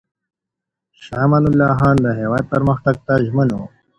شاه امان الله خان د هېواد پرمختګ ته ژمن و.